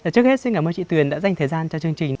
trước hết xin cảm ơn chị tuyền đã dành thời gian cho chương trình